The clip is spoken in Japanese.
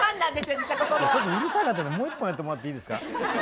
ちょっとうるさかったからもう一本やってもらっていいですか？